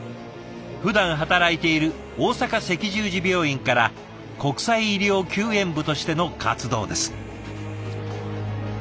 ふだん働いている大阪赤十字病院から国際医療救援部としての活動です。